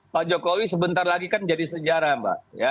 pak jokowi sebentar lagi kan jadi sejarah mbak